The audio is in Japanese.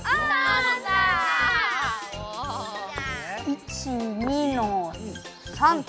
１２の３と。